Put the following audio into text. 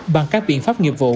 bằng các biện pháp nghiệp vụ